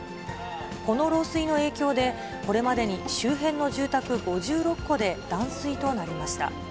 この漏水の影響で、これまでに周辺の住宅５６戸で断水となりました。